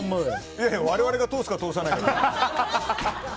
いやいや我々が通すかと通さないかでしょ。